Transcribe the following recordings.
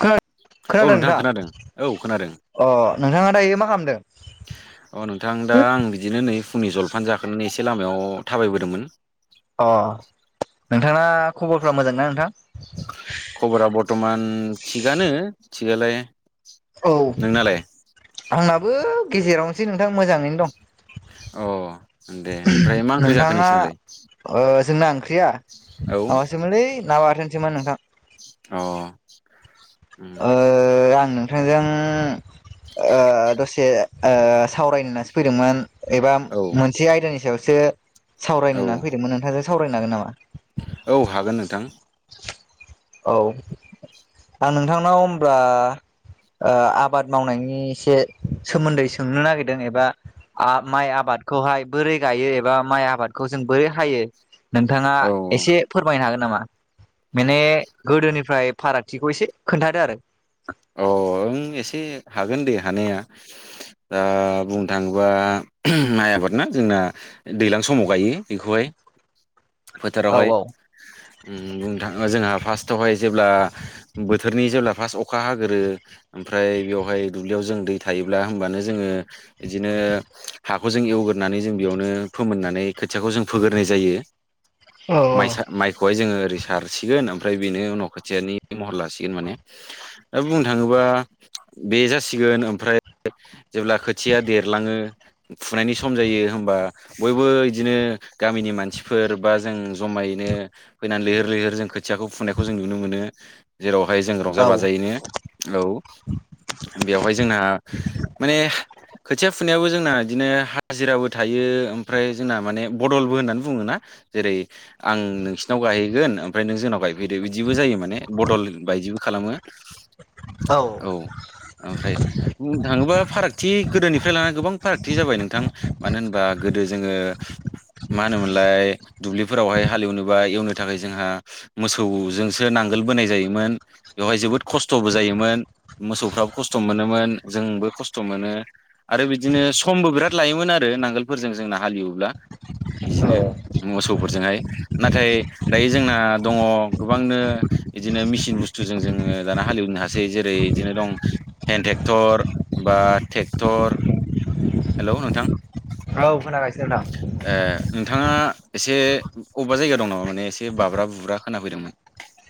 खोनादों औ खोनादों नोंथां औ खोनादों अ' नोंथाङा दायो मा खालामदों? अ' नोंथां दा आं बिदिनो नै फुंनि जलफान जाखोनानै एसे लामायाव थाबायबोदोंमोन। अ' नोंथाङा खबरफ्रा मोजांना नोंथां? खबरा बरथ'मान थिगानो थिगालाय। औ नोंनालाय आंनाबो गेजेरावनोसै नोंथां मोजाङैनो दं। अ' दे ओमफ्राय मा ओंख्रि जाखो नोंथाङा नोंसिनालाय? ओ जोंना ओंख्रिया? औ। मोनलै ना बाथोन सोमोन नोंथां। अह। ओ आं नोंथांजों ओ दसे ओ सावरायनो होननासो फैदोंमोन एबा औ मोनसे आयदानि सायावसो सावरायनो औ होननानै फैदोंमोन नोंथांजों सावरायनो हागोन नामा? औ हागोन नोंथां। औ आं नोंथांनाव होमब्ला ओ आबाद मावनायनि एसे सोमोन्दै सोंनो नागिरदों एबा माइ आबादखौहाय बोरै गायो एबा माइ आबादखौ जों बोरै हायो नोंथाङा औ एसे फोरमायनो हागोन नामा माने गोदोनिफ्राय फारागथिखौ एसे खोन्थादो आरो। अह ओं एसे हागोन दे हानाया। दा बुंनो थाङोबा माइ आबाद ना जोंना दैलां समाव गायो बेखौहाय औ फोथारावहाय। बुंनो थाङा जोंहा फार्स्टआवहाय जेब्ला बोथोरनि जेब्ला फार्स्ट अखा हाग्रोयो ओमफ्राय बेवहाय दुब्लियाव जों दै थायोब्ला होमबानो जोङो बिदिनो हाखौ जों एवगोरनानै जों बेयावनो फोमोननानै खोथियाखौ जों फोगोरनाय जायो औ माइसा माइ खौहाय जोङो ओरै सारसिगोन ओमफ्राय बेनो उनाव खोथियानि महर लासिगोन माने दा बुंनो थाङोबा बे जासिगोन ओमफ्राय जेब्ला खोथिया देरलाङो फुनायनि सम जायो होमबा बयबो इदिनो गामिनि मानसिफोर बा जों जमायैनो फैनानै लैहोर लैहोर जों खोथियाखौ फुनायखौ जों नुनो मोनो जेरावहाय जों रंजा औ बाजायैनो औ बेवहाय जोंहा माने खोथिया फुनायाबो जोंना बिदिनो हाजिराबो थायो ओमफ्राय जोंना माने बदलबो होननानै बुङो ना जेरै आं नोंसिनाव गायहैगोन ओमफ्राय नों जोंनाव गायफैदो बिदिबो जायो माने बदल बायदिबो खालामो औ ओमफ्राय बुंनो थाङोबा फारागथि गोदोनिफ्राय लानानानै गोबां फारागथि जाबाय नोंथां मानो होनबा गोदो जोङो मा होनोमोनलाय दुब्लिफोरावहाय हालेवनोबा एवनो थाखाय जोंहा मोसौजोंसो नांगोल बोनाय जायोमोन बेवहाय जोबोद खस्थ' खस्थ'बो जायोमोन मोसौफ्राबो खस्थ' मोनोमोन जोंबो खस्थ' मोनो आरो बिदिनो समबो बिराद लायोमोन आरो नांगोलफोरजों जोंना हालेब्ला बिदिनो औ मोसौफोरजोंहाय नाथाय दायो जोंना दङ गोबांनो बिदिनो मिसिन बुस्थुजों जोङो दाना हालेवनो हासै जेरै बिदिनो दं हेन्द ट्रेक्टर बा ट्रेक्टर हेलौ नोंथां औ खोनागासिनो नोंथां ओ नोंथाङा एसे अबेबा जायगा दं नामा माने एसे बाब्रा बुब्रा खोनाफैदोंमोन [inaudible]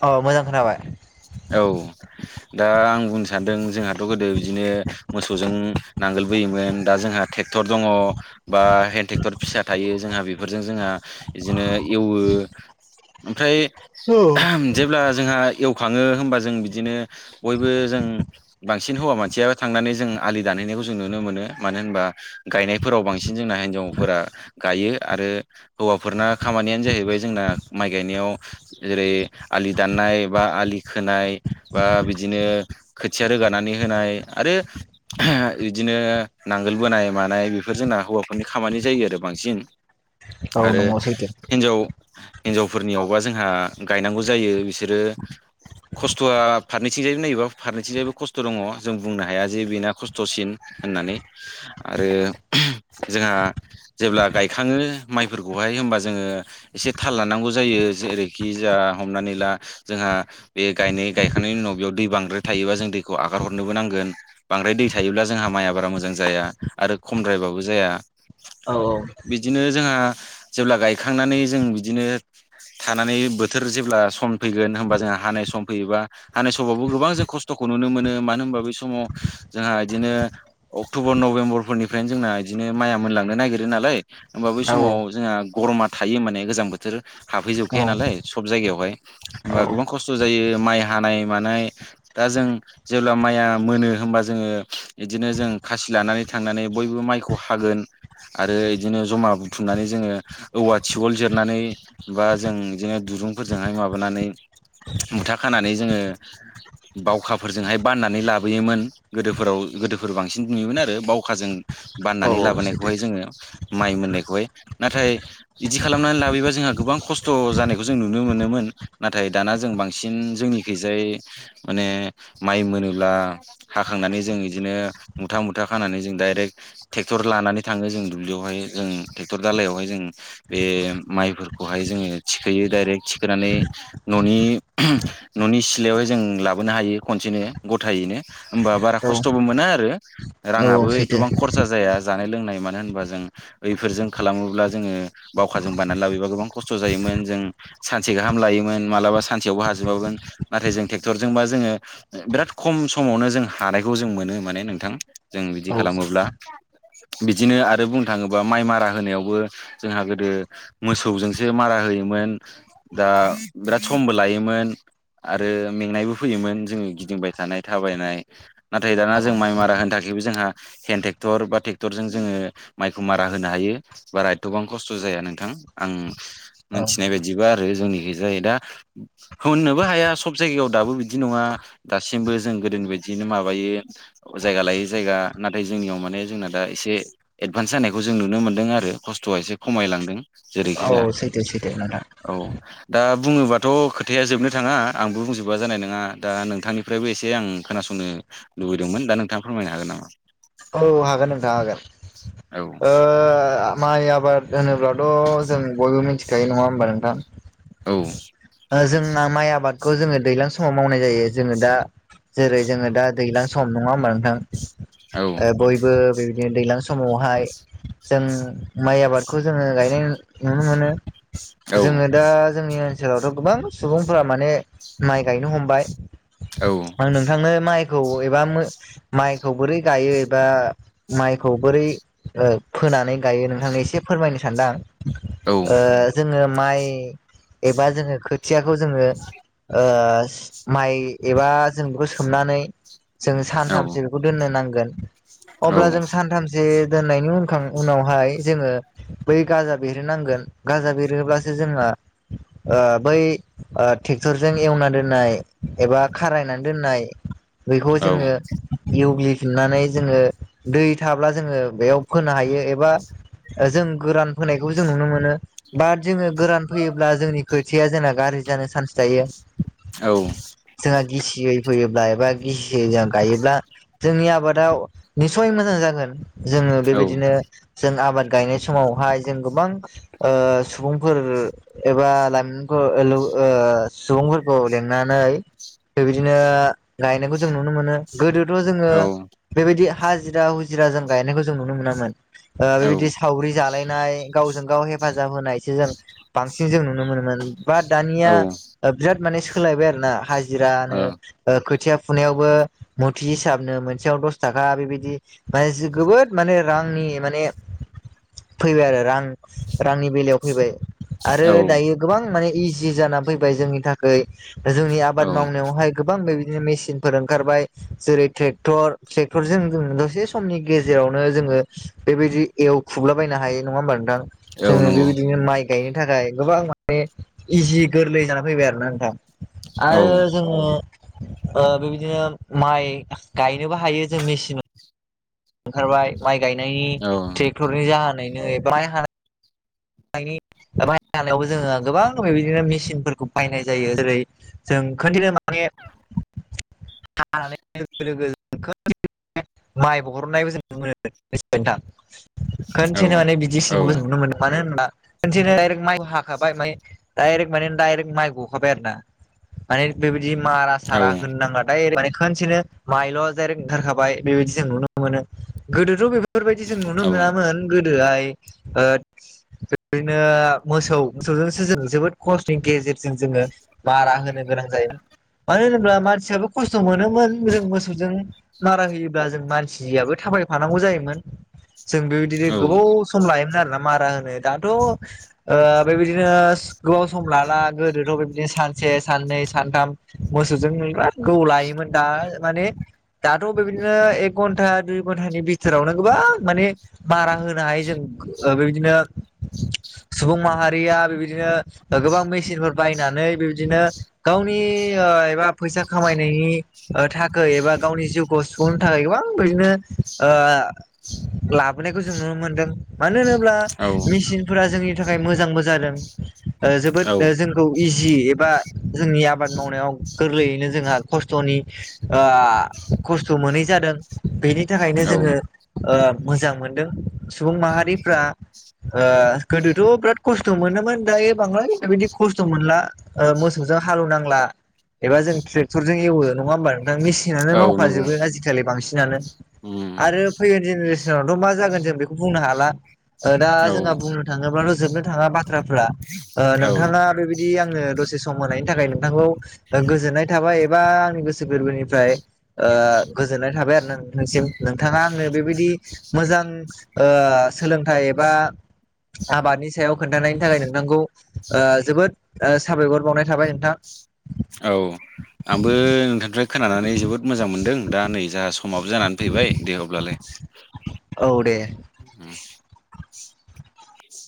अ मोजां खोनाबाय औ दा ट्रेक्टर दङ बा हेेन ट्रेक्टर फिसा थायो जोंहा बेफोरजों जोंहा बिदिनो एवो ओमफ्राय जेब्ला जोंहा एवखाङो होमबा जों बिदिनो बयबो जों बांसिन हौवा मानसियाबो थांनानै जों आलि दानहैनायखौ जों नुनो मोनो मानो होनबा गायनायफोराव बांसिन जोंना हिन्जावफोरा गायो आरो हौवाफोरना खामानियानो जाहैबाय जोंना माइ गायनायाव जेरै आलि दाननाय बा आलि खोनाय बा बिदिनो खोथिया रोगानानै होनाय आरो बिदिनो नांगोल बोनाय मानाय बेफोर जोंना हौवाफोरनि खामानि जायो आरो बांसिन औ आरो नंगौ सैथो हिन्जाव हिनजावफोरनियावबा जोंहा गायनांगौ जायो बिसोरो खस्थ'आ फारनथिंजाय नायोबा फारनैथिंजायबो खस्थ' दङ जों बुंनो हाया जे बेना खस्थ'सिन होननानै आरो जोंहा जेब्ला गायखाङो माइफोरखौहाय होमबा जोङो एसे थाल लानांगौ जायो जेरैखि जोंहा हमनानै ला जोंहा बे गायनाय गायखांनायनि उनाव बेयाव दै बांद्राय थायोबा जों दैखौ आगार हरनोबो नांगोन बांद्राय दै थायोब्ला जोंहा माइआ बारा मोजां जाया आरो खमद्रायबाबो जाया औ औ बिदिनो जोंहा जेब्ला गायखांनानै जों बिदिनो थानानै बोथोर जेब्ला सम फैगोन होनोमबा जोंहा हानाय सम। होयोबा हानाय समावबो गोबां जों खस्थखौ नुनो मोनो मानो होनबा बेै समाव जोंहा इदिनो अक्टबर नभेम्बरफोरनिफ्रायनो जोंना बिदिनो माइया मोनलांनो नागिरो नालाय। होमबा बै समाव जोंहा गरमा थायो माने गोजां बोथोर हाबहैजोबखाया नालाय सब जायगायावहाय होमबा गोबां खस्थ जायो माइ हानाय मानाय दा जों। जेब्ला माइआ मोनो होमबा जोङो बिदिनो जों खासि लानानै थांनानै बयबो माइखौ हागोन आरो बिदिनो जमा बुथुमनानै जोङो औवा थिगल जिरनानै। बा जों बिदिनो दुरुंफोरजोंहाय माबानानै मुथा खानानै जोङो। बावखाफोरजोंहाय बाननानै लाबोयोमोन। गोदोफोराव गोदोफोर बांसिन नुयोमोन आरो बावखाजों औ बाननानै औ सैथो लाबोनायखौहाय जोङो। माइ मोननायखौहाय नाथाय बिदि खालामनानै लाबोयोबा जोंहा गोबां खस्थ जानायखौ जों नुनो मोनोमोन नाथाय दाना जों बां सिन जोंनिखैजाय माने माइ मोनोब्ला हाखांनानै जों बिदिनो मुथा मुथा खानानै जों डाइरेक्ट ट्रेक्टर लानानै थाङो जों दुब्लियावहाय जों ट्रेक्टर दालइायावहाय जों बे माइफोरखौहाय जोङो थिखोयो डायरेक्ट थिखोनानै न'नि न'नि सिलायावहाय जों लाबोनो हायो खनसेनो गथायैनो। होमबा बारा औ खस्थबो मोना आरो औ राङाबो सैथो एथबां खरसा जाया। जानाय लोंनाय मानो होनबा जों बैफोरजों खालामोब्ला जोङो बावखाजों बाननानै लाबोयोबा गोबां खस्थ जायोमोन जों सानसे गाहाम लायोमोन मालाबा सानसेयावबो हाजोबामोन नाथाय जों ट्रेक्टरजोंबा जोङो बिराद खम समावनो जों हानायखौ जों मोनो माने नोंथां जों बिदि औ खालामोब्ला। सैथो बिदिनो आरो बुंनो थाङोबा माइ मारा होनायावबो जोंहा गोदो मोसौजोंसो मारा होयोमोन दा बिराद समबो लायो मोन आरो मेंनायबो फैयोमोन जोङो गिदिंबाय थानाय थाबायनाय नाथाय दाना औ जों माइ मारा सैथो होनो थाखा यबो जोंहा हेन्द ट्रेक्टर बा ट्रेक्टरजों जोङो माइखौ मारा होनो हायो। बारा एथबां खस्थ जाया नोंथां आं औ मोनथिनाय बायदिबा आरो जोंनिखै जायो दा होननोबो हाया सब जायगायाव दाबो बिदि नङा दासिमबो जों गोदोनि बायदियैनो माबायो। जायगा लायै जायगा नाथाय जोंनियाव माने जोंना दा एसे एडभान्स जानायखौ जों नुनो मोन्दों आरो खस्थआ एसे खमायलांदों। जेरैखि औ जाया सैथो सैथो नोंथां औ दा बुङोबाथ खोथ थाया जोबनो थाङा आंबो बुंजोबबा जानाय नङा दा नोंथांनिफ्रायबो एसे आं खोनासंनो लुबैदोंमोन दा नोंथाङा फोरमायनो हागोन नामा? औ हागोन नोंथां हागोन ओ माइ आबाद होनोब्ला थ जों बयबो मिथिखायो नङा होमबा औ नोंथां जोंना माइ आबाद खौ जोङो दैज्लां समाव मावनाय जायो जोङो दा जेरै जोङो दा दैज्लां सम नङा होमबा नोंथां। औ ओ बयबो बेबायदिनो दैज्लां समावहाय जों माइ आबादखौ जोङो गायनाय नुनो मोनो। औ जोङो दा जोंनि ओनसोलावथ गोबां सुबुंफोरा माने माइ गायनो हमबाय। औ आं नोंथांनो माइखौ एबा माइखौ बोरै गायो एबा माइखौ बोरै फोनानै गायो नोंथांनि एसे फोरमायनो सान्दों आं औ ओ जोङो माइ एबा जोङो खोथियाखौ जोङो ओ माइ एबा जों बेखौ सोमनानै जों औ सानथामसो बेखौ दोननो नांगोन औ अब्ला जों सानथाम सो दोननायनि उनखां उनावहाय जोङो बै गाजा बेरहोनांगोन गाजा बेरहोब्लासो जोंना बै ट्रेक्टरजों एवना दोननाय एबा खारायनानै दोननाय बेखौ जोङो एवग्लि [unintelligible] जोङो दै थाब्ला जोङो बेयाव फोनो हायो एबा ओ जों गोरान फोनायखौबो जों नुनो मोनो। बाट जोङो गोरान फोयोब्ला जोंनि खोथिया जोंना गाज्रि जानो चान्स थायो। औ जोंहा गिसियै फैयोब्ला एबा गिसियै जों गायोब्ला जोंनि आबादाव निस्सय मोजां जागोन जोङो बेबायदिनो जों आबाद गायनाय समावहाय जों गोबां ओ सुबुंफोर एबा लाइमोन ओ सुबुंफोरखौ लिंनानै बिबायदिनो गायनायखौ जों नुनो मोनो गोदोथ' जोङो बेबायदि हाजिरा हुजिराजों गायनायखौ जों नुनो मोनामोन ओ बेबायदि सावरि जालायनाय गावजों गाव हेफाजाब होनायसो जों बांसिन जों नुनो मोनोमोन। बाट दानिया ओ बिराद माने सोलायबाय आरो ना हाजिरानो ओ खोथिया फुनायावबो मुथिस हिसाबनो मोनसेयाव दस थाखा बेबायदि माने गोबोद माने रांनि माने फैबाय आरो रां रांनि बेलायाव फैबाय। आरो औ औ दायो गोबां माने इजि जानानै फैबाय जोंनि थाखाय जोंनि आबाद औ मावनायावहाय गोबां बेबायदिनो मेसिनफोर ओंखारबाय जेरै ट्रेक्टर ट्रेक्टरजों जों दसे समनि गेजेरावनो जोङो बेबायदि एवखुबला बायनो हायो नङा होमबा नोंथां? औ जोङो नंगौ बेबायदिनो माइ गायनो थाखाय गोबां माने इजि गोरलै जानानै फैबाय आरोना नोंथां। औ आरो जोङो ओ बेबायदिनो माइ गायनोबो हायो जों मेसिन ओंखारबाय माइ गायनायनि औ ट्रेक्टरनि जाहोनैनो [unintelligible] [inaudible] जोङो गोबां बेबायदिनो मेसिनफोरखौ बायनाय जायो जेरै जों खोनथिनाय‌ माने हानाय [inaudible] माइ बरननायबो जों [inaudible] औ खोनसेनो माने [unintelligible] नुनो मोनो मानो होनबा खनसेनो दाइरेक्ट माइबो हाखाबाय माने दाइरेक्ट माने दाइरेक्ट माइ गखाबाय आरो ना माने बेबायदि मारा सारा होनो नाङा। दायरेक माने खनसेनो माइल' दाइरेक ओंखारखाबाय बेबायदि जों नुनो मोनो गोदोथ' बेफोर बेफोरबायदि जों नुनो मोनामोन गोदोहाय ओ बिदिनो मोसौ मोसौजोंसो जों जोबोद खस्थ'नि गेजेर जों जोङो मारा होनो गोनां जायो मानो होनोब्ला मानसियाबो खस्थ' मोनोमोन जों मोसौजों मारा होयोब्ला जों मानसियाबो थाबायफानांगौ जायोमोन। जों बेबायदिनो गोबाव सम लायोमोन आरोना मारा होनो दाथ' ओ बेबायदिनो गोबाव सम लाला गोदोथ' बेबादिनो सानसे साननै सानथाम मोसौजों बिराद गोबाव लायोमोन दा माने दाथ' बेबायदिनो एक घन्टा दुइ घन्टानि बिथोरावनो गोबां माने मारा होनो हायो जों ओ बेबायदिनो सुबुं माहारिया बेबायदिनो गोबां मेसिनफोर बायनानै बेबायदिनो गावनि ओ एबा फैसा खामायनायनि ओ थाखै एबा गावनि जिउखौ सुफुंनो थाखाय गोबां बिदिनो ओ लाबोनायखौ जों नुनो मोनदों मानो होनोब्ला मेसिनफोरा जोंनि थाखाय मोजांबो जादों ओ जोबोद ओ औ जों खौ इजि एबा जोंनि आबाद मावनायाव गोरलैयैनो जोंहा खस्थ'नि आ खस्थ' मोनै जादों बेनि थाखायनो औ जोङो ओ मोजां मोनदों सुबुं माहारिफ्रा ओ गोदोथ' बिराद खस्थ' मोनोमोन दायो बांद्राय बेबायदि खस्थ' मोनला। ओ मोसौजों हालौ नांला एबा जों ट्रेक्टर जों एवो नङा होमबा नोंथां मेसिन सिनानो औ नंगौ मावखाजोबो आजिखालि बांसिनानो उम आरो फैगोन जेनेरेसनावथ' मा जागोन जों बेखौ बुंनो हाला ओ दा बुंनोथांङोब्लाथ' जोबनो थाङा बाथ्राफ्रा ओ औ औ नोंथाङा बिदि आङो दसे सम मोनायनि थाखाय नोंथांखौ ओ गोजोननाय थाबाय एबा आंनि गोसो गोरबोनिफ्राय ओ गोजोननाय थाबाय आरो नोंथांसिम नोंथाङा आंनो बेबायदि मोजां ओ सोलोंथाइ एबा आबादनि सायाव खोनथानायनि थाखाय नोंथांखौ ओ जोबोद ओ साबायखर बावनाय थाबाय नोंथां। औ आंबो नोंथांनिफ्राय खोनानानै जोबोद मोजां मोनदों दा नै जोहा समाबो जानानै फैबाय दे अब्लालाय। औ दे। उ